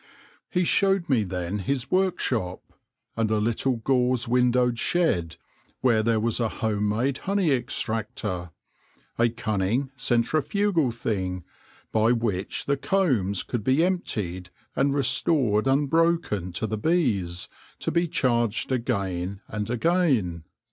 He showed me then his workshop and a little gauze windowed shed where there was a home made honey extractor — a cunning, centrifugal thing by which the combs could be emptied and restored unbroken to the bees, to be charged again and again.